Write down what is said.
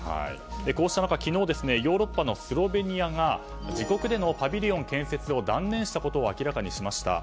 こうした中、昨日ヨーロッパのスロベニアが自国でのパビリオン建設を断念したことを明らかにしました。